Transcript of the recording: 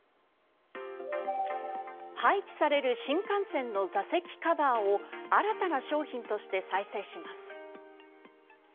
廃棄される新幹線の座席カバーを新たな商品として再生します。